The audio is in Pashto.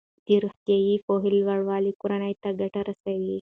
د روغتیايي پوهاوي لوړوالی کورنۍ ته ګټه رسوي.